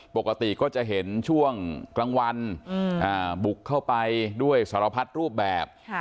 ปกติก็จะเห็นช่วงกลางวันบุกเข้าไปด้วยสารพัดรูปแบบ